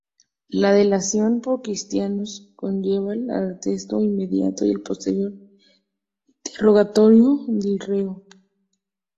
La delación por cristianismo conllevaba el arresto inmediato y el posterior interrogatorio del reo.